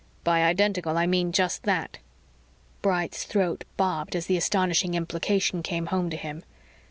"By identical, I mean just that." Bright's throat bobbed as the astonishing implication came home to him.